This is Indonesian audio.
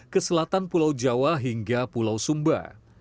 ke selatan pulau jawa hingga pulau sumba